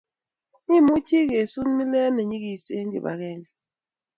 imuchi kesut milet ne nyegis eng' kibagenge